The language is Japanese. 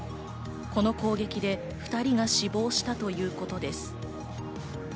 この攻撃で２人が死亡したということです。